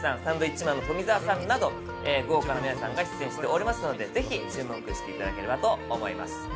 サンドウィッチマンの富澤さんなど豪華な皆さんが出演しておりますのでぜひ注目していただければと思います